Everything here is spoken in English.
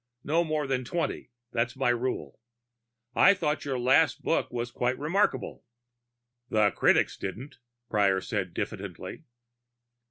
No more than twenty; that's my rule. I thought your last book was quite remarkable." "The critics didn't," Prior said diffidently.